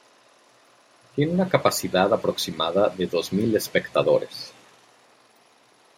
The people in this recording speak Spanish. Tiene una capacidad aproximada de dos mil espectadores.